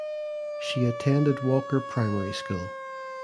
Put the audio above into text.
She attended Walker Primary School.